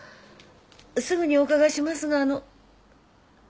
すぐにお伺いしますがあの。